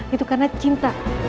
itu karena cinta